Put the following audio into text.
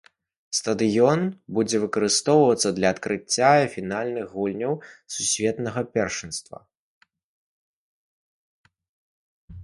Стадыён будзе выкарыстоўвацца для адкрыцця і фінальных гульняў сусветнага першынства.